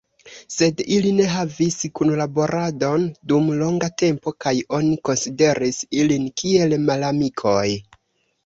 Sed ili ne havis kunlaboradon dum longa tempo kaj oni konsideris ilin kiel malamikoj.